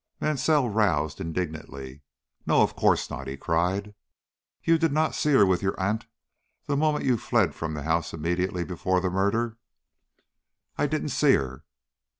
Mansell roused indignantly. "No, of course not!" he cried. "You did not see her with your aunt that moment you fled from the house immediately before the murder!" "I didn't see her."